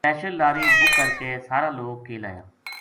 سپیشل لاری بُک کر کے سارا لوک کیل آیا